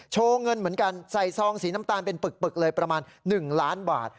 เงินเหมือนกันใส่ซองสีน้ำตาลเป็นปึกเลยประมาณ๑ล้านบาท